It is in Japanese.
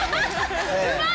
うまい！